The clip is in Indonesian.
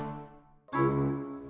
gak kecanduan hp